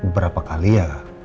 berapa kali ya